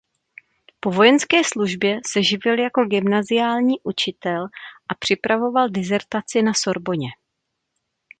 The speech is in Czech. Po vojenské službě se živil jako gymnaziální učitel a připravoval disertaci na Sorbonně.